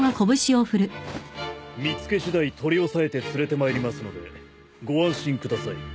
見つけしだい取り押さえて連れてまいりますのでご安心ください。